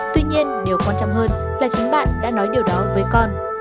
tuy nhiên điều quan trọng hơn là chính bạn đã nói điều đó với con